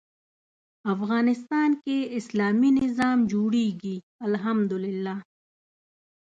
افغانستان کې اسلامي نظام جوړېږي الحمد لله.